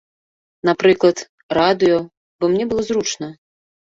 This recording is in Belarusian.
Напрыклад, радыё, бо мне было зручна.